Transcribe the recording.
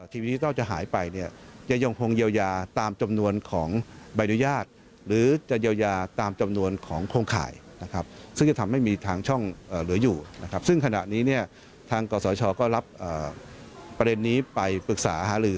ทางช่องเหลืออยู่ซึ่งขณะนี้ทางกรสรชอก็รับประเด็นนี้ไปปรึกษาอาหารือ